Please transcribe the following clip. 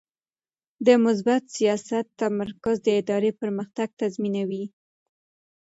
د مثبت سیاست تمرکز د ادارې پرمختګ تضمینوي.